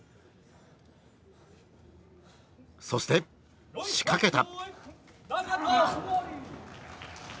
そして仕掛けた。